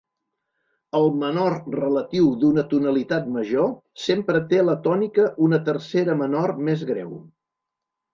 El menor relatiu d'una tonalitat major sempre té la tònica una tercera menor més greu.